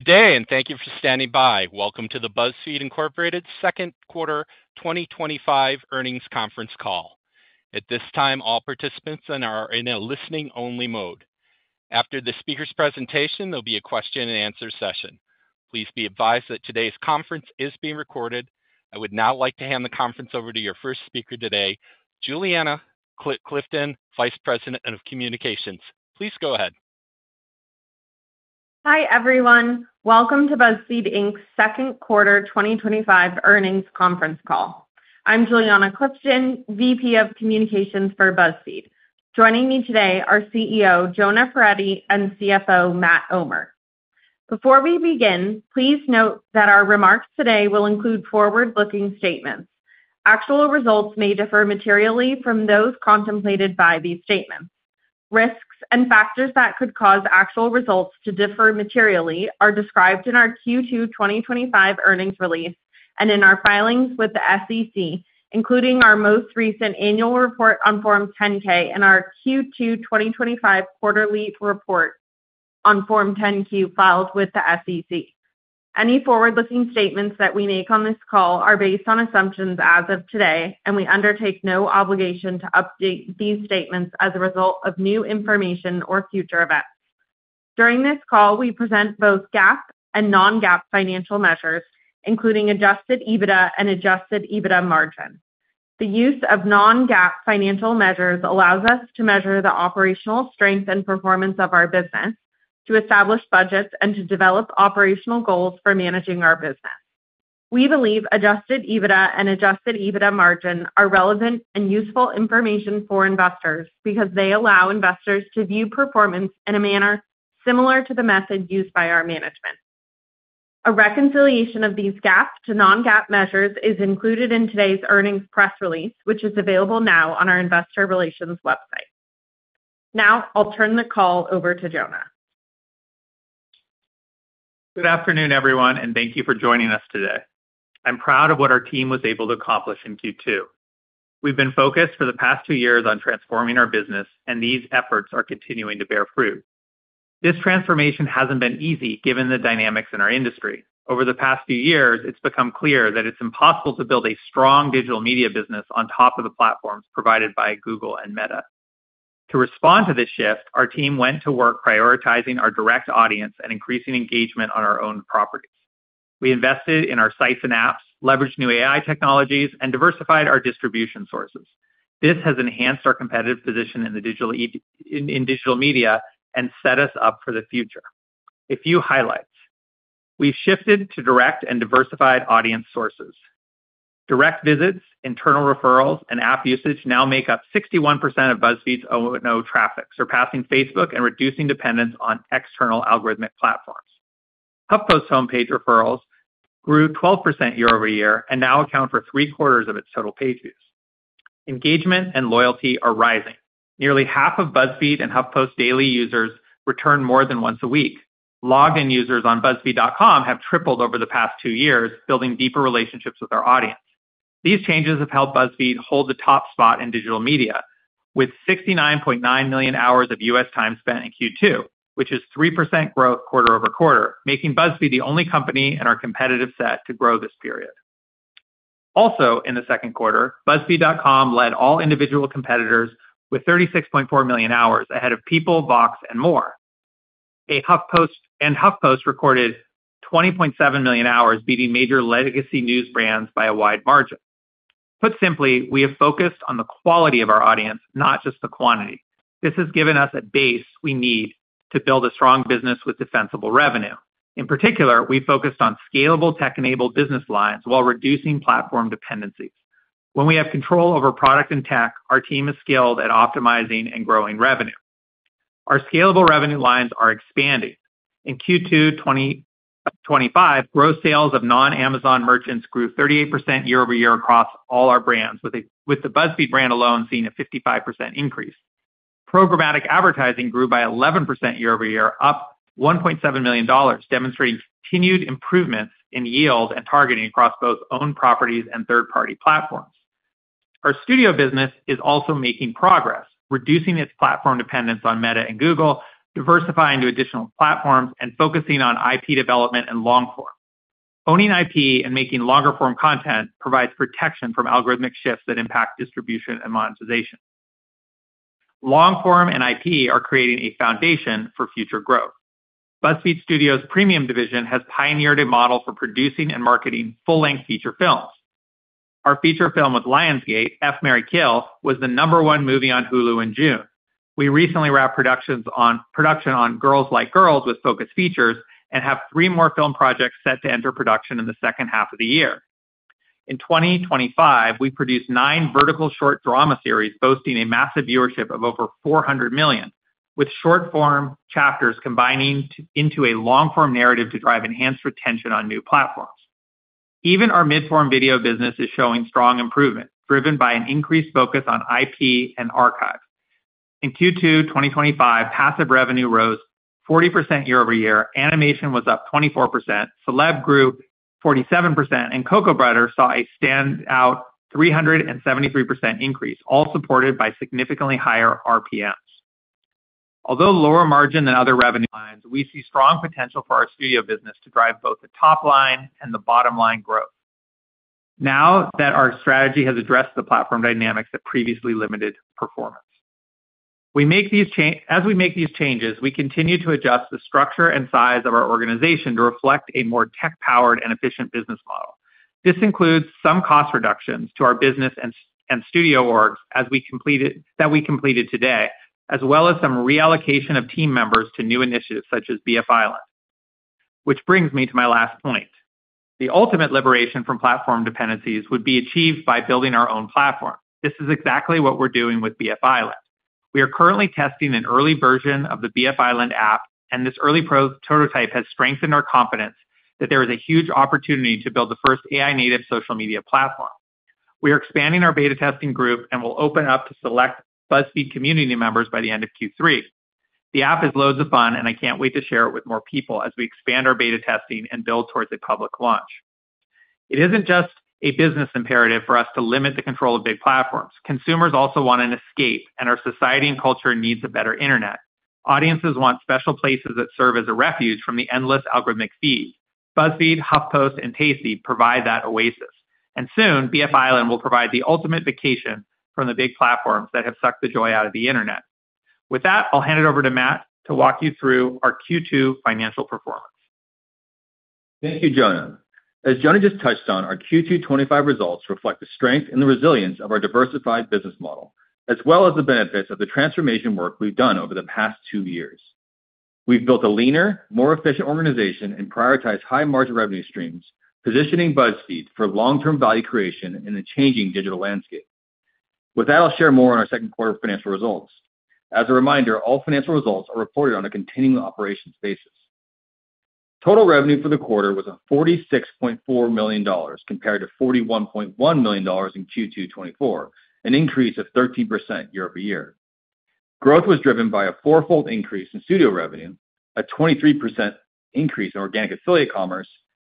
Today, and thank you for standing by. Welcome to the BuzzFeed, Incorporated Second Quarter 2025 Earnings Conference Call. At this time, all participants are in a listening-only mode. After the speaker's presentation, there will be a question-and-answer session. Please be advised that today's conference is being recorded. I would now like to hand the conference over to your first speaker today, Juliana Clifton, Vice President of Communications. Please go ahead. Hi, everyone. Welcome to BuzzFeed Inc.'s Second Quarter 2025 Earnings Conference Call. I'm Juliana Clifton, VP of Communications for BuzzFeed. Joining me today are CEO Jonah Peretti and CFO Matt Omer. Before we begin, please note that our remarks today will include forward-looking statements. Actual results may differ materially from those contemplated by these statements. Risks and factors that could cause actual results to differ materially are described in our Q2 2025 earnings release and in our filings with the SEC, including our most recent annual report on Form 10-K and our Q2 2025 quarterly report on Form 10-Q filed with the SEC. Any forward-looking statements that we make on this call are based on assumptions as of today, and we undertake no obligation to update these statements as a result of new information or future events. During this call, we present both GAAP and non-GAAP financial measures, including adjusted EBITDA and adjusted EBITDA margin. The use of non-GAAP financial measures allows us to measure the operational strength and performance of our business, to establish budgets, and to develop operational goals for managing our business. We believe adjusted EBITDA and adjusted EBITDA margin are relevant and useful information for investors because they allow investors to view performance in a manner similar to the method used by our management. A reconciliation of these GAAP to non-GAAP measures is included in today's earnings press release, which is available now on our Investor Relations website. Now, I'll turn the call over to Jonah. Good afternoon, everyone, and thank you for joining us today. I'm proud of what our team was able to accomplish in Q2. We've been focused for the past two years on transforming our business, and these efforts are continuing to bear fruit. This transformation hasn't been easy given the dynamics in our industry. Over the past few years, it's become clear that it's impossible to build a strong digital media business on top of the platforms provided by Google and Meta. To respond to this shift, our team went to work prioritizing our direct audience and increasing engagement on our own property. We invested in our sites and apps, leveraged new AI technologies, and diversified our distribution sources. This has enhanced our competitive position in digital media and set us up for the future. A few highlights. We've shifted to direct and diversified audience sources. Direct visits, internal referrals, and app usage now make up 61% of BuzzFeed's O&O traffic, surpassing Facebook and reducing dependence on external algorithmic platforms. HuffPost homepage referrals grew 12% year-over-year and now account for three quarters of its total page use. Engagement and loyalty are rising. Nearly half of BuzzFeed and HuffPost daily users return more than once a week. Login users on BuzzFeed.com have tripled over the past two years, building deeper relationships with our audience. These changes have helped BuzzFeed hold the top spot in digital media, with 69.9 million hours of U.S. time spent in Q2, which is 3% growth quarter-over-quarter, making BuzzFeed the only company in our competitive set to grow this period. Also, in the second quarter, BuzzFeed.com led all individual competitors with 36.4 million hours, ahead of People, Vox, and more. HuffPost recorded 20.7 million hours, beating major legacy news brands by a wide margin. Put simply, we have focused on the quality of our audience, not just the quantity. This has given us a base we need to build a strong business with defensible revenue. In particular, we focused on scalable tech-enabled business lines while reducing platform dependency. When we have control over product and tech, our team is skilled at optimizing and growing revenue. Our scalable revenue lines are expanding. In Q2 2025, gross sales of non-Amazon merchants grew 38% year-over-year across all our brands, with the BuzzFeed brand alone seeing a 55% increase. Programmatic advertising grew by 11% year-over-year, up $1.7 million, demonstrating continued improvements in yield and targeting across both owned properties and third-party platforms. Our studio business is also making progress, reducing its platform dependence on Meta and Google, diversifying to additional platforms, and focusing on IP development and long form. Owning IP and making longer form content provides protection from algorithmic shifts that impact distribution and monetization. Long form and IP are creating a foundation for future growth. BuzzFeed Studios' Premium division has pioneered a model for producing and marketing full-length feature films. Our feature film with Lionsgate, F. Marry Kill, was the number one movie on Hulu in June. We recently wrapped production on Girls Like Girls with Focus Features and have three more film projects set to enter production in the second half of the year. In 2025, we produced nine vertical short drama series boasting a massive viewership of over 400 million, with short form chapters combining into a long form narrative to drive enhanced retention on new platforms. Even our mid-form video business is showing strong improvements, driven by an increased focus on IP and archives. In Q2 2025, passive revenue rose 40% year-over-year, animation was up 24%, celeb grew 47%, and Cocoa Butter saw a standout 373% increase, all supported by significantly higher RPMs. Although lower margin than other revenue lines, we see strong potential for our studio business to drive both the top line and the bottom line growth. Now that our strategy has addressed the platform dynamics that previously limited performance. As we make these changes, we continue to adjust the structure and size of our organization to reflect a more tech-powered and efficient business model. This includes some cost reductions to our business and studio orgs that we completed today, as well as some reallocation of team members to new initiatives such as BF Island. Which brings me to my last point. The ultimate liberation from platform dependencies would be achieved by building our own platform. This is exactly what we're doing with BF Island. We are currently testing an early version of the BF Island app, and this early prototype has strengthened our confidence that there is a huge opportunity to build the first AI-native social media platform. We are expanding our beta testing group and will open up to select BuzzFeed community members by the end of Q3. The app is loads of fun, and I can't wait to share it with more people as we expand our beta testing and build towards a public launch. It isn't just a business imperative for us to limit the control of big platforms. Consumers also want an escape, and our society and culture need a better internet. Audiences want special places that serve as a refuge from the endless algorithmic feed. BuzzFeed, homepage, and Tasty provide that oasis. Soon, BF Island will provide the ultimate vacation from the big platforms that have sucked the joy out of the internet. With that, I'll hand it over to Matt to walk you through our Q2 financial performance. Thank you, Jonah. As Jonah just touched on, our Q2 2025 results reflect the strength and the resilience of our diversified business model, as well as the benefits of the transformation work we've done over the past two years. We've built a leaner, more efficient organization and prioritized high margin revenue streams, positioning BuzzFeed for long-term value creation in a changing digital landscape. With that, I'll share more on our second quarter financial results. As a reminder, all financial results are reported on a continuing operations basis. Total revenue for the quarter was $46.4 million compared to $41.1 million in Q2 2024, an increase of 13% year-over-year. Growth was driven by a four-fold increase in studio revenue, a 23% increase in organic affiliate commerce,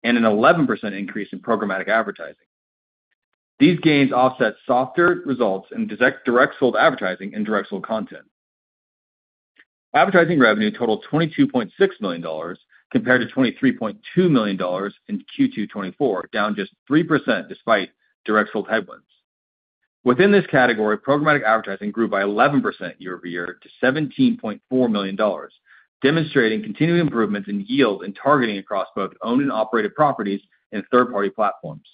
and an 11% increase in programmatic advertising. These gains offset softer results in direct sold advertising and direct sold content. Advertising revenue totaled $22.6 million compared to $23.2 million in Q2 2024, down just 3% despite direct sold headwinds. Within this category, programmatic advertising grew by 11% year-over-year to $17.4 million, demonstrating continued improvements in yield and targeting across both owned and operated properties and third-party platforms.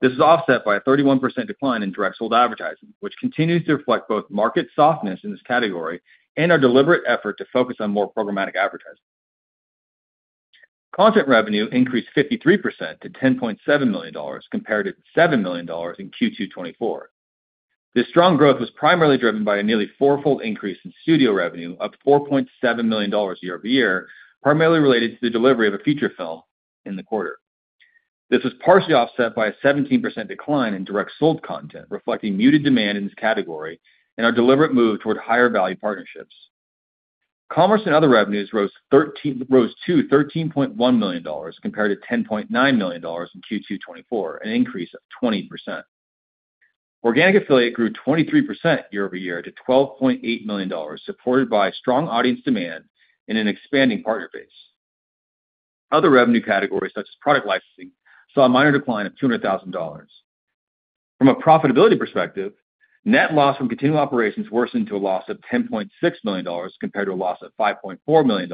This is offset by a 31% decline in direct sold advertising, which continues to reflect both market softness in this category and our deliberate effort to focus on more programmatic advertising. Content revenue increased 53% to $10.7 million compared to $7 million in Q2 2024. This strong growth was primarily driven by a nearly four-fold increase in studio revenue of $4.7 million year-over-year, primarily related to the delivery of a feature film in the quarter. This was partially offset by a 17% decline in direct sold content, reflecting muted demand in this category and our deliberate move toward higher value partnerships. Commerce and other revenues rose to $13.1 million compared to $10.9 million in Q2 2024, an increase of 20%. Organic affiliate grew 23% year-over-year to $12.8 million, supported by strong audience demand and an expanding partner base. Other revenue categories, such as product licensing, saw a minor decline of $200,000. From a profitability perspective, net loss from continuing operations worsened to a loss of $10.6 million compared to a loss of $5.4 million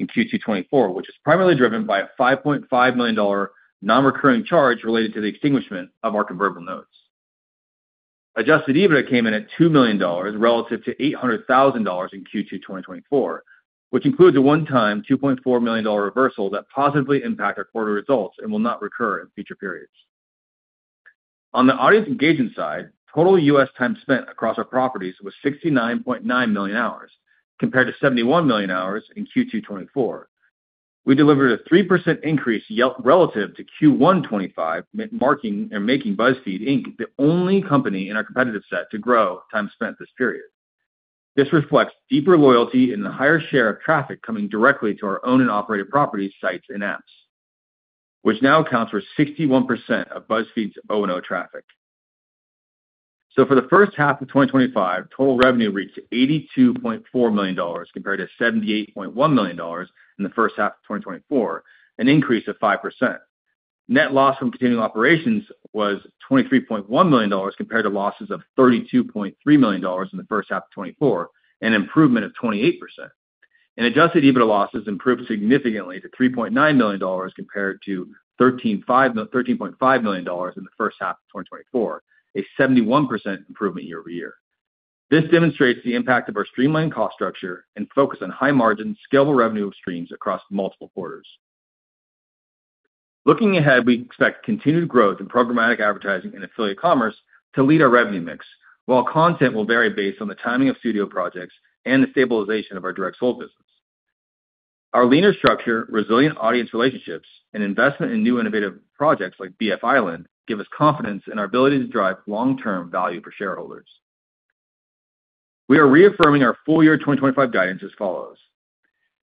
in Q2 2024, which is primarily driven by a $5.5 million non-recurring charge related to the extinguishment of our convertible notes. Adjusted EBITDA came in at $2 million relative to $800,000 in Q2 2024, which includes a one-time $2.4 million reversal that positively impacts our quarterly results and will not recur in future periods. On the audience engagement side, total U.S. time spent across our properties was 69.9 million hours compared to 71 million hours in Q2 2024. We delivered a 3% increase relative to Q1 2025, marking BuzzFeed Inc. as the only company in our competitive set to grow time spent this period. This reflects deeper loyalty and a higher share of traffic coming directly to our owned and operated properties, sites, and apps, which now accounts for 61% of BuzzFeed's O&O traffic. For the first half of 2025, total revenue reached $82.4 million compared to $78.1 million in the first half of 2024, an increase of 5%. Net loss from continuing operations was $23.1 million compared to losses of $32.3 million in the first half of 2024, an improvement of 28%. Adjusted EBITDA losses improved significantly to $3.9 million compared to $13.5 million in the first half of 2024, a 71% improvement year-over-year. This demonstrates the impact of our streamlined cost structure and focus on high margin scalable revenue streams across multiple quarters. Looking ahead, we expect continued growth in programmatic advertising and affiliate commerce to lead our revenue mix, while content will vary based on the timing of studio projects and the stabilization of our direct sold business. Our leaner structure, resilient audience relationships, and investment in new innovative projects like BF Island give us confidence in our ability to drive long-term value for shareholders. We are reaffirming our full-year 2025 guidance as follows: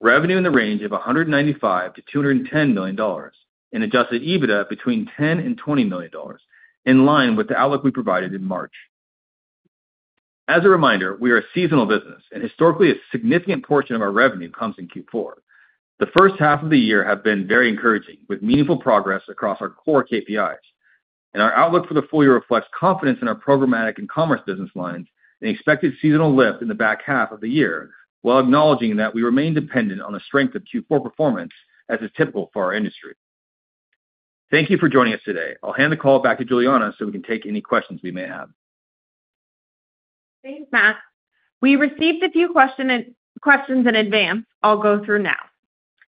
revenue in the range of $195 million-$210 million and adjusted EBITDA between $10 million and $20 million, in line with the outlook we provided in March. As a reminder, we are a seasonal business, and historically, a significant portion of our revenue comes in Q4. The first half of the year has been very encouraging, with meaningful progress across our core KPIs. Our outlook for the full-year reflects confidence in our programmatic and commerce business lines and expected seasonal lift in the back half of the year, while acknowledging that we remain dependent on the strength of Q4 performance, as is typical for our industry. Thank you for joining us today. I'll hand the call back to Juliana so we can take any questions we may have. Thanks, Matt. We received a few questions in advance I'll go through now.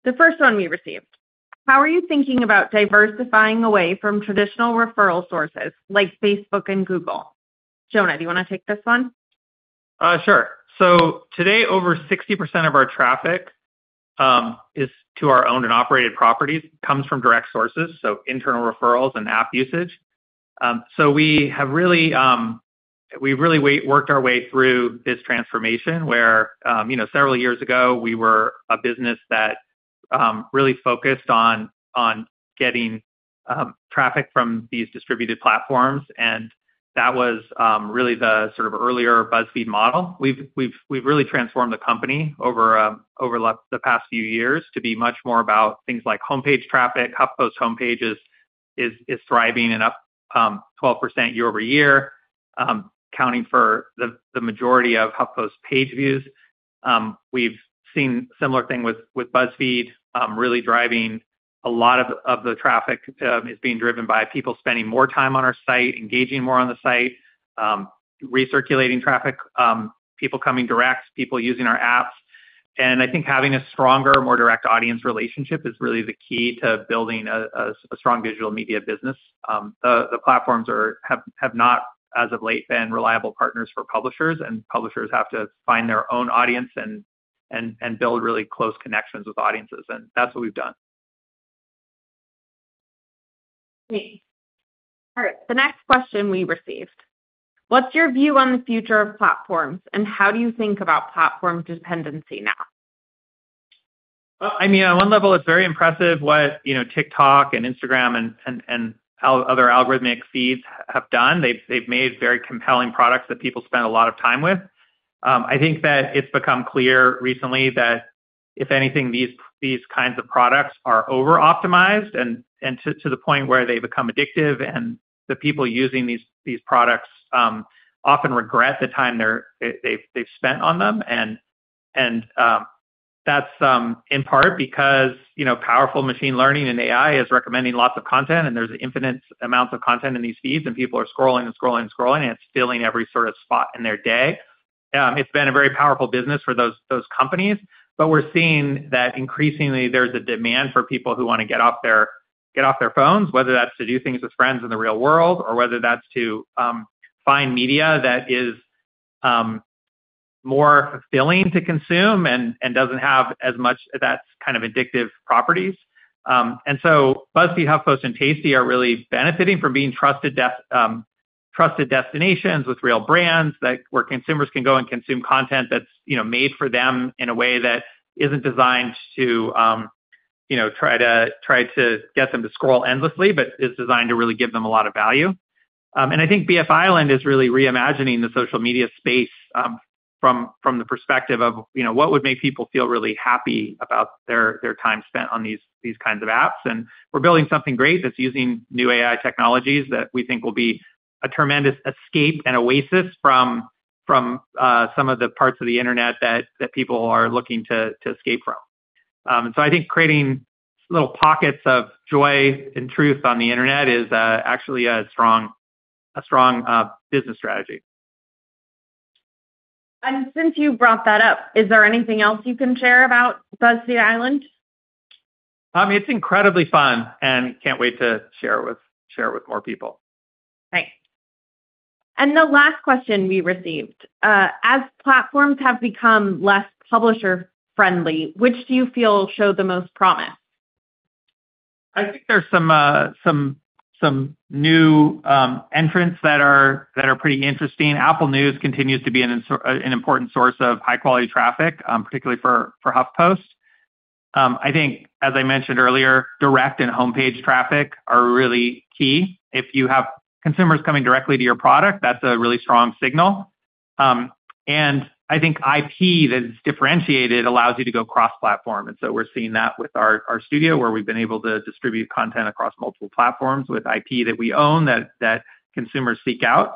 The first one we received, how are you thinking about diversifying away from traditional referral sources like Facebook and Google? Jonah, do you want to take this one? Sure. Today, over 60% of our traffic to our owned and operated properties comes from direct sources, so internal referrals and app usage. We have really worked our way through this transformation where, several years ago, we were a business that really focused on getting traffic from these distributed platforms. That was really the sort of earlier BuzzFeed model. We've really transformed the company over the past few years to be much more about things like homepage traffic. HuffPost homepage is thriving and up 12% year-over-year, accounting for the majority of HuffPost page views. We've seen a similar thing with BuzzFeed, really driving a lot of the traffic by people spending more time on our site, engaging more on the site, recirculating traffic, people coming direct, people using our apps. I think having a stronger, more direct audience relationship is really the key to building a strong digital media business. The platforms have not, as of late, been reliable partners for publishers, and publishers have to find their own audience and build really close connections with audiences. That's what we've done. Great. The next question we received, what's your view on the future of platforms, and how do you think about platform dependency now? I mean, on one level, it's very impressive what TikTok and Instagram and other algorithmic feeds have done. They've made very compelling products that people spend a lot of time with. I think that it's become clear recently that, if anything, these kinds of products are over-optimized to the point where they become addictive, and the people using these products often regret the time they've spent on them. That's in part because powerful machine learning and AI is recommending lots of content, and there's infinite amounts of content in these feeds, and people are scrolling and scrolling and scrolling, and it's filling every sort of spot in their day. It's been a very powerful business for those companies. We're seeing that increasingly, there's a demand for people who want to get off their phones, whether that's to do things with friends in the real world or whether that's to find media that is more fulfilling to consume and doesn't have as much of that kind of addictive properties. BuzzFeed, HuffPost, and Tasty are really benefiting from being trusted destinations with real brands where consumers can go and consume content that's made for them in a way that isn't designed to try to get them to scroll endlessly, but is designed to really give them a lot of value. I think BF Island is really reimagining the social media space from the perspective of what would make people feel really happy about their time spent on these kinds of apps. We're building something great that's using new AI technologies that we think will be a tremendous escape and oasis from some of the parts of the internet that people are looking to escape from. I think creating little pockets of joy and truth on the internet is actually a strong business strategy. Is there anything else you can share about BuzzFeed Island? It's incredibly fun, and I can't wait to share it with more people. Thanks. The last question we received, as platforms have become less publisher-friendly, which do you feel show the most promise? I think there's some new entrants that are pretty interesting. Apple News continues to be an important source of high-quality traffic, particularly for HuffPost. I think, as I mentioned earlier, direct and homepage traffic are really key. If you have consumers coming directly to your product, that's a really strong signal. I think IP that is differentiated allows you to go cross-platform. We're seeing that with our studio, where we've been able to distribute content across multiple platforms with IP that we own that consumers seek out.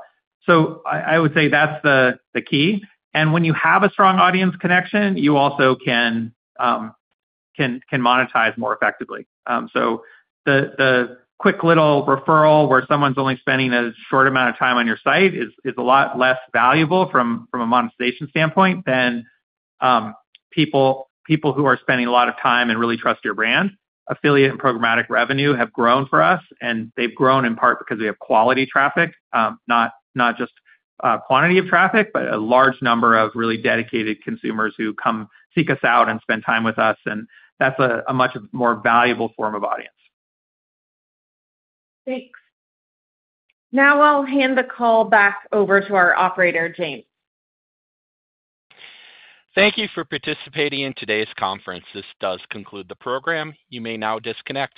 I would say that's the key. When you have a strong audience connection, you also can monetize more effectively. The quick little referral where someone's only spending a short amount of time on your site is a lot less valuable from a monetization standpoint than people who are spending a lot of time and really trust your brand. Affiliate and programmatic revenue have grown for us, and they've grown in part because we have quality traffic, not just quantity of traffic, but a large number of really dedicated consumers who come seek us out and spend time with us. That's a much more valuable form of audience. Thanks. Now I'll hand the call back over to our operator, James. Thank you for participating in today's conference. This does conclude the program. You may now disconnect.